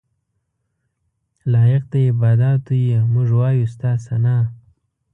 لایق د عباداتو یې موږ وایو ستا ثناء.